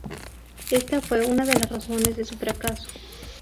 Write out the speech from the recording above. Esta fue una de las razones de su fracaso.